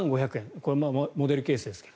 これはモデルケースですけど。